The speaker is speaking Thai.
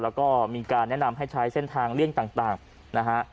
แล้วก็มีการแนะนำให้ใช้เส้นทางเลี่ยงต่างนะฮะ